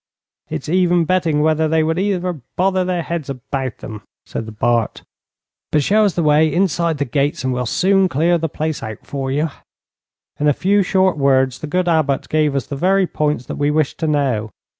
'It's even betting whether they would ever bother their heads about them,' said the Bart. 'But show us the way inside the gates, and we'll soon clear the place out for you.' In a few short words the good Abbot gave us the very points that we wished to know.